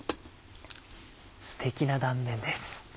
ステキな断面です。